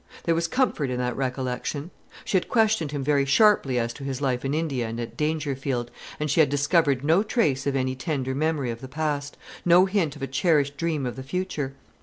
There was comfort in that recollection. She had questioned him very sharply as to his life in India and at Dangerfield, and she had discovered no trace of any tender memory of the past, no hint of a cherished dream of the future.